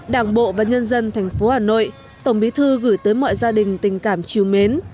đảng bộ và nhân dân thành phố hà nội tổng bí thư gửi tới mọi gia đình tình cảm chiều mến